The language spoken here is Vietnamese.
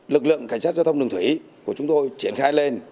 lực lượng cảnh sát giao thông đường thủy của chúng tôi triển khai lên